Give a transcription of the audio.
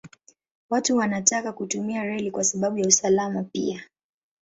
Watu wanataka kutumia reli kwa sababu ya usalama pia.